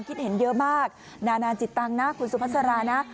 คิดเห็นเยอะมากนานาจิตตังค์นะคุณสุภาษานะ